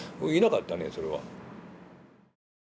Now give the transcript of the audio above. いなかったねそれは。